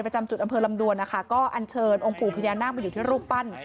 ประจำจุดอำเภอลำดวนนะคะก็อันเชิญองค์ปู่พญานาคมาอยู่ที่รูปปั้น